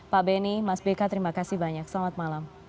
pak beni mas beka terima kasih banyak selamat malam